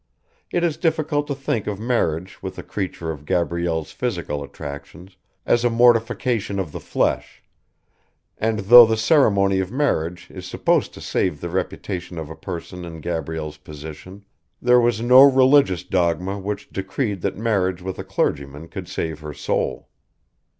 It is difficult to think of marriage with a creature of Gabrielle's physical attractions as a mortification of the flesh; and though the ceremony of marriage is supposed to save the reputation of a person in Gabrielle's position, there was no religious dogma which decreed that marriage with a clergyman could save her soul.